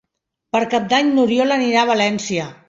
Per Cap d'Any n'Oriol anirà a València.